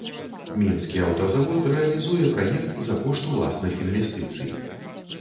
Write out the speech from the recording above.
Мінскі аўтазавод рэалізуе праект за кошт уласных інвестыцый.